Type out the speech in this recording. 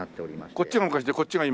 こっちが昔でこっちが今。